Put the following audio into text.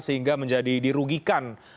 sehingga menjadi dirugikan